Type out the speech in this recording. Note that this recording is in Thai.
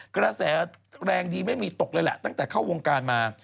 กระแสแรงดีไม่มีตกเลยแหละตั้งแต่เข้าวงการมา